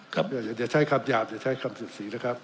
อย่าใช้คำหยาบอย่าใช้คำสุดสีนะครับ